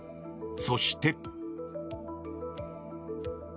そして。